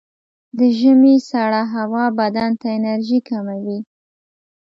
د ژمي سړه هوا بدن ته انرژي کموي.